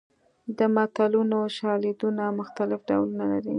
د متلونو شالیدونه مختلف ډولونه لري